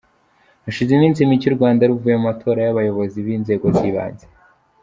Hashize iminsi mike u Rwanda ruvuye mu matora y’abayobozi b’inzego z’ibanze.